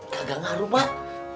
gagak ngaruh pak